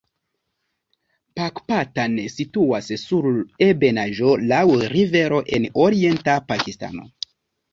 Pakpatan situas sur ebenaĵo laŭ rivero en orienta Pakistano.